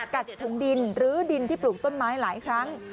กัดถุงดินรื้อดินที่ปลูกต้นไม้หลายครั้ง